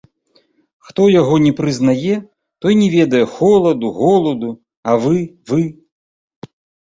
Хто яго не прызнае, той не ведае холаду, голаду, а вы, вы…